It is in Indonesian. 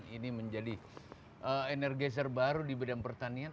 ini menjadi energi besar baru di bidang pertanian